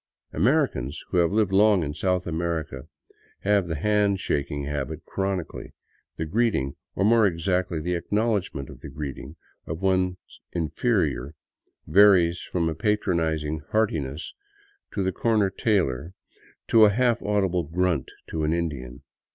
Americans who have lived long in South America have the hand shaking habit chronically. The greeting, or more exactly the acknowledgment of the greeting, of one's inferior varies from a patronizing heartiness to the corner tailor to a half audible grunt to an Indian.